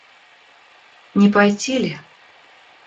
Не пойти ли?